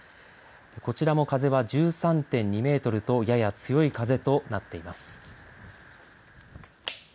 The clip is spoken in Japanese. こちらも風は１３．２メートルとやや強い風となっています。